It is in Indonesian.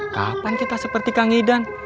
kapan kita seperti kang idan